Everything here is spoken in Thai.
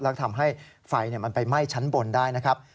แล้วทำให้ไฟเนี่ยมันไปม่ายชั้นบนได้นะครับ